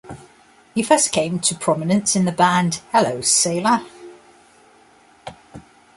He first came to prominence in the band Hello Sailor.